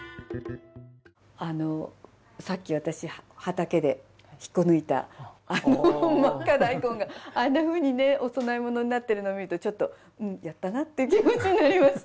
あのさっき私畑で引っこ抜いたまっか大根があんな風にねお供え物になっているのを見るとちょっと「やったな！」っていう気持ちになりました！